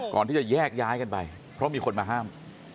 ก่อนที่จะแยกย้ายกันไปเพราะมีคนมาห้าม